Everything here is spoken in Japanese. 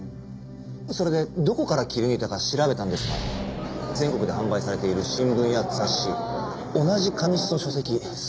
それでどこから切り抜いたか調べたんですが全国で販売されている新聞や雑誌同じ紙質の書籍全て当たったんですが。